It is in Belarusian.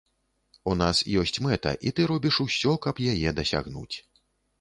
У нас ёсць мэта, і ты робіш усё, каб яе дасягнуць.